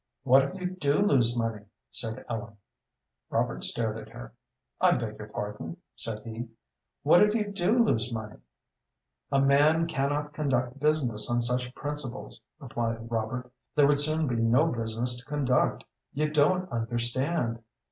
"What if you do lose money?" said Ellen. Robert stared at her. "I beg your pardon?" said he. "What if you do lose money?" "A man cannot conduct business on such principles," replied Robert. "There would soon be no business to conduct. You don't understand."